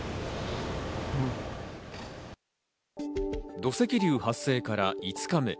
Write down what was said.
土石流発生から５日目。